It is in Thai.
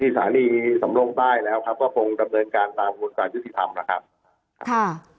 ที่สาธารณีสำรวงใต้แล้วก็ยบเดินการตามกฎศาสตร์ยึดที่๓